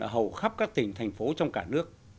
hầu khắp các tỉnh thành phố trong cả nước